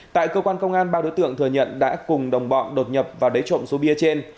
tại cơ quan công an ba đối tượng thừa nhận đã cùng đồng bọn đột nhập vào đế trộn số bia trên